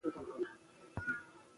په ژبه کې پخپله د جنس تفکيک